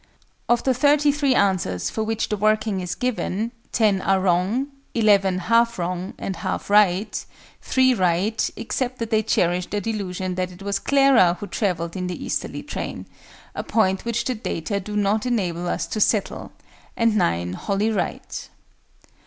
] Of the 33 answers for which the working is given, 10 are wrong; 11 half wrong and half right; 3 right, except that they cherish the delusion that it was Clara who travelled in the easterly train a point which the data do not enable us to settle; and 9 wholly right.